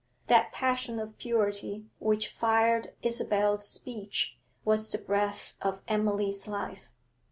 That passion of purity which fired Isabel's speech was the breath of Emily's life.